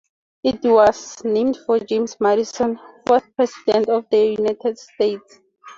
It was named for James Madison, fourth President of the United States.